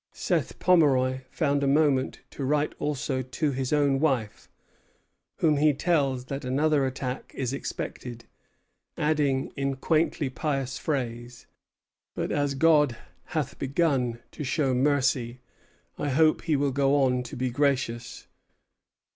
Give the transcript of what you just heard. Seth Pomeroy found a moment to write also to his own wife, whom he tells that another attack is expected; adding, in quaintly pious phrase: "But as God hath begun to show mercy, I hope he will go on to be gracious."